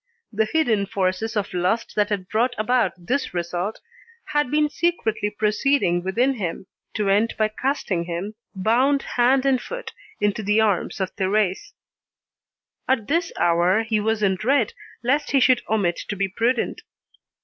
The hidden forces of lust that had brought about this result had been secretly proceeding within him, to end by casting him, bound hand and foot, into the arms of Thérèse. At this hour, he was in dread lest he should omit to be prudent.